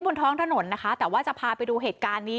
บนท้องถนนนะคะแต่ว่าจะพาไปดูเหตุการณ์นี้